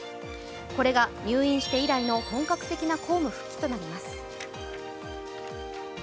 これが入院して以来の本格的な公務復帰となります。